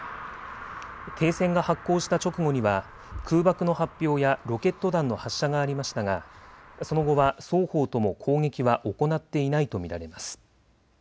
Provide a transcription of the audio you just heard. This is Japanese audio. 停戦が発効した直後には空爆の発表やロケット弾の発射がありましたがその後は双方とも攻撃は行っていないと見られます。